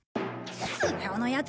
スネ夫のヤツ